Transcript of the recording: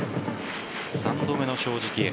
３度目の正直へ。